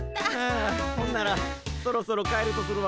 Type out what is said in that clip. あほんならそろそろ帰るとするわ。